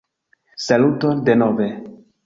Saluton denove!